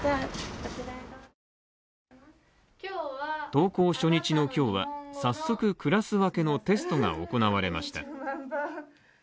登校初日の今日は、早速クラス分けのテストが行われました。